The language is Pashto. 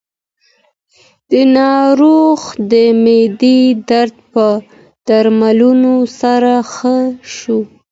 د ناروغ د معدې درد په درملو سره ښه شو.